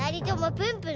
プンプン！